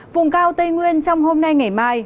vùng cao tây nguyên trong hôm nay ngày mai